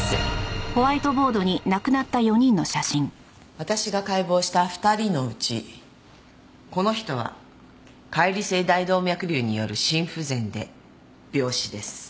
私が解剖した２人のうちこの人は解離性大動脈瘤による心不全で病死です。